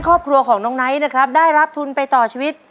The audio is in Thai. ครอบครัวของน้องไนท์นะครับได้รับทุนไปต่อชีวิต